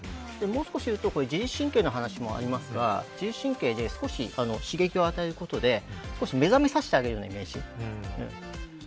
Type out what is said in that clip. もう少し言うと自律神経の話にもなりますが自律神経で少し刺激を与えることで目覚めさせてあげるようなイメージ。